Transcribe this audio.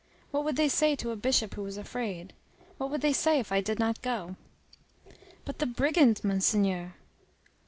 What would they say to a bishop who was afraid? What would they say if I did not go?" "But the brigands, Monseigneur?"